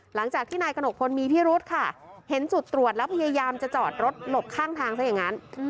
หลังจากที่นายกระหนกพลมีพิรุธค่ะเห็นจุดตรวจแล้วพยายามจะจอดรถหลบข้างทางซะอย่างนั้น